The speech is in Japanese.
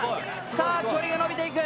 さあ距離が伸びていく。